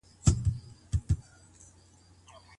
باسواده ښځه د ټولني په پرمختګ کي برخه اخلي.